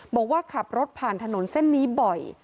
บอกว่าขับรถผ่านถนนเส้นนี้บ่อย